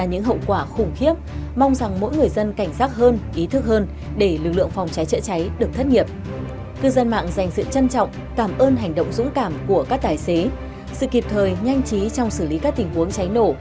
hành động dũng cảm của các tài xế sự kịp thời nhanh chí trong xử lý các tình huống cháy nổ